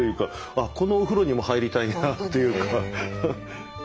あっこのお風呂にも入りたいなというか。